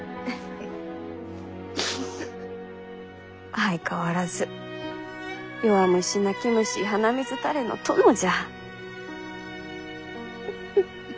相変わらず弱虫泣き虫鼻水垂れの殿じゃ。